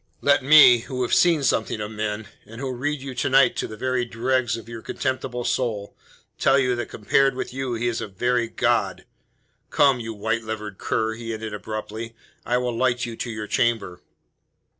Let me, who have seen something of men, and who read you to night to the very dregs of your contemptible soul, tell you that compared with you he is a very god. Come, you white livered cur!" he ended abruptly. "I will light you to your chamber."